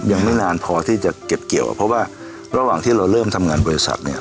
ยังไม่นานพอที่จะเก็บเกี่ยวเพราะว่าระหว่างที่เราเริ่มทำงานบริษัทเนี่ย